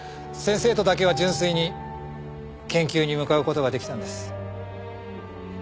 先生とだけは純粋に研究に向かう事が出来たんです。